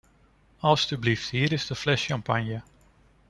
Alstublieft, hier is de fles champagne.